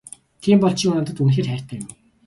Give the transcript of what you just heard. Тийм бол чи надад үнэхээр хайртай юм уу?